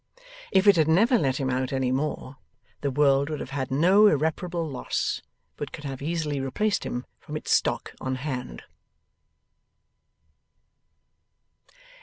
If it had never let him out any more, the world would have had no irreparable loss, but could have easily replaced him from its stock on hand.